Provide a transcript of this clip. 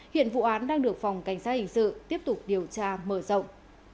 hiện vụ án đang được phòng cảnh sát hình sự tiếp tục điều tra mở rộng